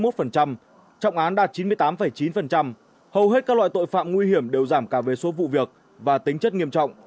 trọng án đạt chín mươi tám chín hầu hết các loại tội phạm nguy hiểm đều giảm cả về số vụ việc và tính chất nghiêm trọng